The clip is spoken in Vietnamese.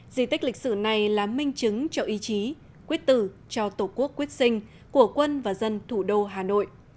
di tích lịch sử này là minh chứng cho ý chí quyết tử cho tổ quốc quyết sinh của quân và dân thủ đô hà nội